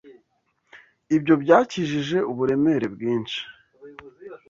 Ibyo byakijije uburemere bwinshi.